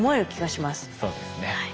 そうですね。